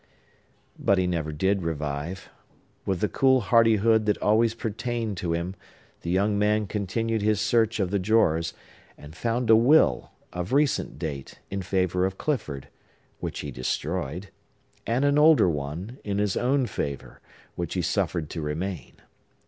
But he never did revive. With the cool hardihood that always pertained to him, the young man continued his search of the drawers, and found a will, of recent date, in favor of Clifford,—which he destroyed,—and an older one, in his own favor, which he suffered to remain.